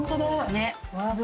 ねっ。